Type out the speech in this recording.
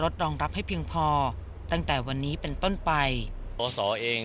ของประชาชนในการจัดรถรองรับเสร็จ